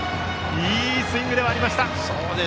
いいスイングではありました。